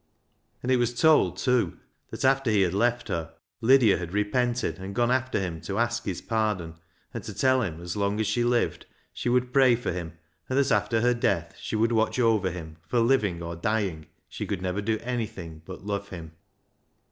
And it was told, too, that after he had left her, Lydia had repented and gone after him to ask his pardon, and to tell him as long as she lived she would pray for him, and that after her death she would watch over him, for, living or dying, she could never do anything but love him.